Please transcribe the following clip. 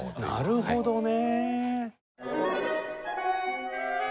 なるほどね。